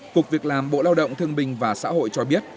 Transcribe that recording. cục việc làm bộ lao động thương bình và xã hội cho biết